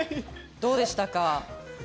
どうでしたか。